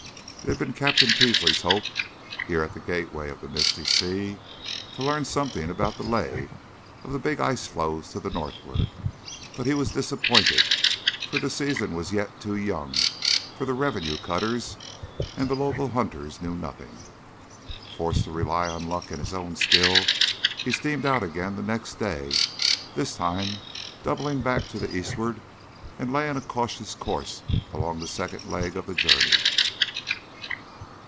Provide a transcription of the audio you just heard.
It had been Captain Peasley's hope, here at the gateway of the Misty Sea, to learn something about the lay of the big ice floes to the northward, but he was disappointed, for the season was yet too young for the revenue cutters, and the local hunters knew nothing. Forced to rely on luck and his own skill, he steamed out again the next day, this time doubling back to the eastward and laying a cautious course along the second leg of the journey.